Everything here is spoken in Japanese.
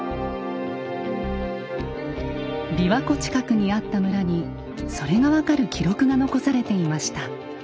びわ湖近くにあった村にそれが分かる記録が残されていました。